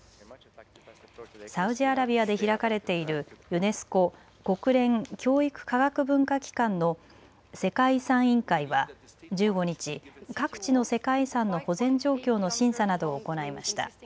サウジアラビアで開かれているユネスコ・国連教育科学文化機関の世界遺産委員会は１５日、各地の世界遺産の保全状況の審査などを行いました。